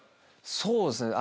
そうですね。